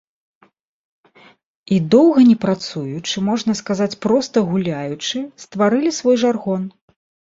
І, доўга не працуючы, можна сказаць, проста гуляючы, стварылі свой жаргон.